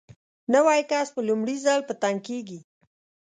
نوی کس په لومړي ځل په تنګ کېږي.